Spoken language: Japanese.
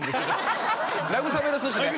慰めの寿司ね。